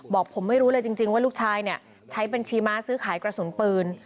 บอกผมไม่รู้เลยจริงว่าลูกชายเนี่ยใช้บัญชีม้าซื้อขายกระสุนปืน